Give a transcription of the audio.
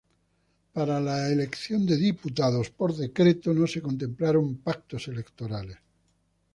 Para la elección de diputados por decreto no se contemplaron pactos electorales.